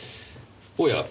おや？